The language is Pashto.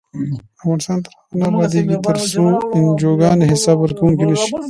افغانستان تر هغو نه ابادیږي، ترڅو انجوګانې حساب ورکوونکې نشي.